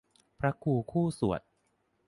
พระครูคู่สวด